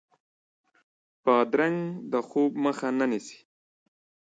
بادرنګ د خوب مخه نه نیسي.